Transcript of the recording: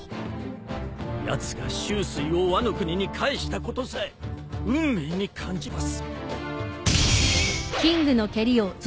やつが秋水をワノ国に返したことさえ運命に感じます。